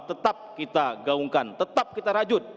tetap kita gaungkan tetap kita rajut